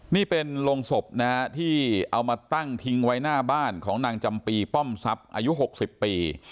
นี่เป็นโรงศพนะฮะที่เอามาตั้งทิ้งไว้หน้าบ้านของนางจำปีป้อมทรัพย์อายุ๖๐ปี